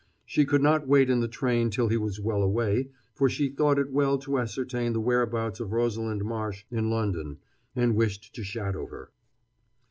She could not wait in the train till he was well away, for she thought it well to ascertain the whereabouts of Rosalind Marsh in London, and wished to shadow her.